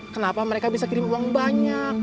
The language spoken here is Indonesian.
kenapa mereka bisa kirim uang banyak